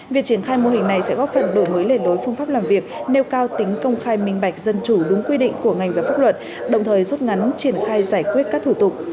việc triển khai mô hình này sẽ góp phần đổi mới lề lối phương pháp làm việc nêu cao tính công khai minh bạch dân chủ đúng quy định của ngành và pháp luật đồng thời rút ngắn triển khai giải quyết các thủ tục